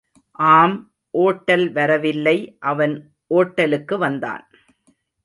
ஆம் ஓட்டல் வரவில்லை அவன் ஓட்டலுக்கு வந்தான்.